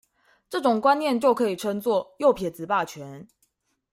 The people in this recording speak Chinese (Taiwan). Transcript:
這種觀念就可以稱作「右撇子霸權」